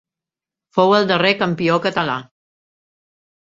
Fou el darrer campió català.